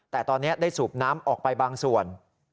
แต่ตอนนี้ได้สูบน้ำออกไปบางส่วน